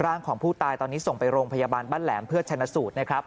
ร่างของผู้ตายตอนนี้ส่งไปโรงพยาบาลบ้านแหลมเพื่อชนะสูตรนะครับ